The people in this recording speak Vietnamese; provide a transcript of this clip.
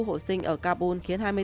hoặc khu vực nào ở iraq và syria